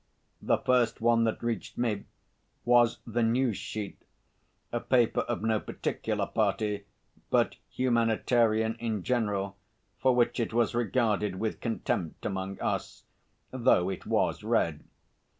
The first one that reached me was the News sheet, a paper of no particular party but humanitarian in general, for which it was regarded with contempt among us, though it was read.